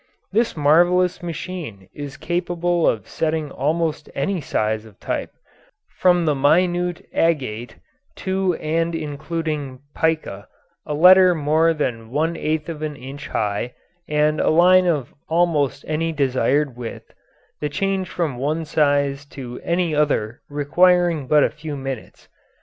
This marvellous machine is capable of setting almost any size of type, from the minute "agate" to and including "pica," a letter more than one eighth of an inch high, and a line of almost any desired width, the change from one size to any other requiring but a few minutes.